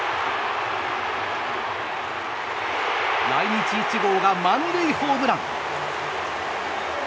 来日１号が満塁ホームラン。